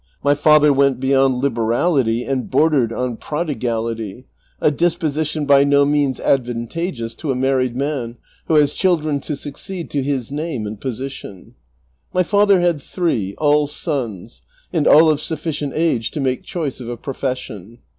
My father went beyond liber ality and bordered on prodigality, a disposition b}^ no means advan tageous to a married man who has children to succeed to his name and i^osition. My father had three, all sons, and all of sufficient age to make choice of a profession.